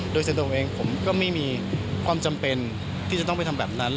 โดยเซโดเองผมก็ไม่มีความจำเป็นที่จะต้องไปทำแบบนั้น